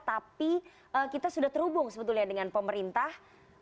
tapi kita sudah terhubung sebetulnya dengan pemerintah